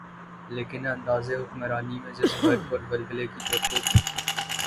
لیکن انداز حکمرانی میں جس برق اورولولے کی توقع تھی۔